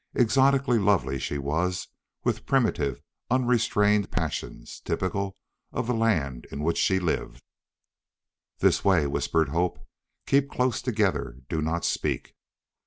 Exotically lovely she was, with primitive, unrestrained passions typical of the land in which she lived. "This way," whispered Hope. "Keep close together. Do not speak!"